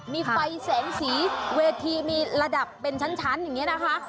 มีไฟแสงสีเวทีมีระดับเป็นชั้นอย่างนี้นะคะ